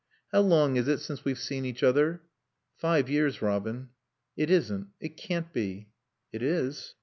"How long is it since we've seen each other?" "Five years, Robin." "It isn't. It can't be." "It is."